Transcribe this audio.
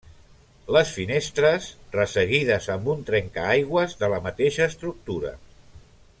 Les finestres, resseguides amb un trencaaigües de la mateixa estructura.